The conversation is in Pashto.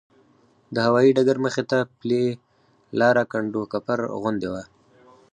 د هوایي ډګر مخې ته پلې لاره کنډوکپر غوندې وه.